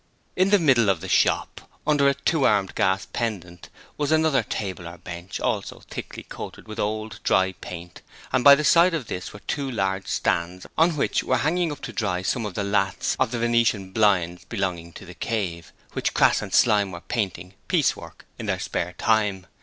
In the middle of the shop, under a two armed gas pendant, was another table or bench, also thickly coated with old, dried paint, and by the side of this were two large stands on which were hanging up to dry some of the lathes of the venetian blinds belonging to 'The Cave', which Crass and Slyme were painting piecework in their spare time.